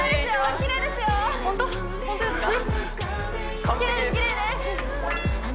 きれいですきれいです！